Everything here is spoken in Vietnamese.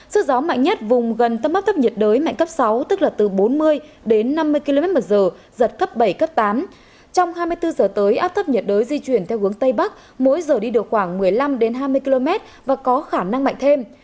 trong hai mươi bốn h tới áp thấp nhiệt đới di chuyển theo hướng tây bắc mỗi giờ đi được khoảng một mươi năm hai mươi km và có khả năng mạnh thêm